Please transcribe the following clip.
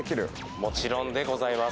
もちろんでございます。